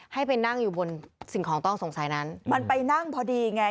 ให้ไปนั่งอยู่บนสิ่งของต้องสงสัยนั้นมันไปนั่งพอดีไง